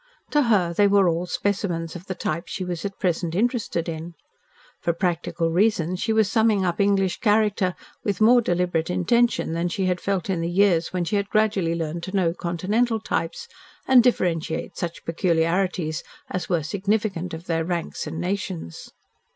To her they were all specimens of the types she was at present interested in. For practical reasons she was summing up English character with more deliberate intention than she had felt in the years when she had gradually learned to know Continental types and differentiate such peculiarities as were significant of their ranks and nations.